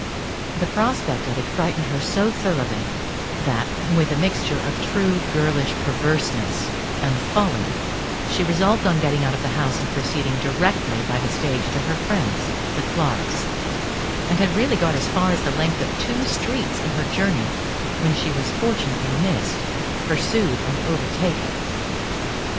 The prospect of it frightened her so thoroughly, that, with a mixture of true girlish perverseness and folly, she resolved on getting out of the house and proceeding directly by the stage to her friends, the Clarkes; and had really got as far as the length of two streets in her journey when she was fortunately missed, pursued, and overtaken.